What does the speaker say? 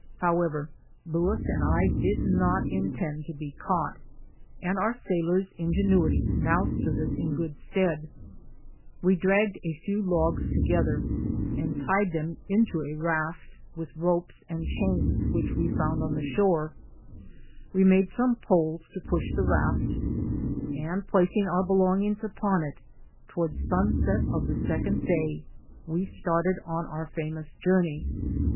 However, Louis and I did not intend to be caught, and our sailor's ingenuity now stood us in good stead. We dragged a few logs together and tied them into a raft with ropes and chains which we found on the shore; we made some poles to push the raft and placing our belongings upon it, to ward sunset of the second day we started on our famous journey.